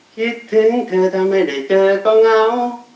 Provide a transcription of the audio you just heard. คิดถึงเธอถ้าไม่ได้เจอก็เหงา